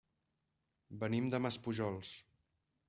Venim de Maspujols.